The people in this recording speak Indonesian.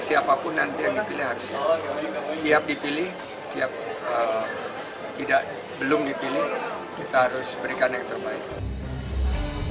siapapun nanti yang dipilih harus siap dipilih siap belum dipilih kita harus berikan yang terbaik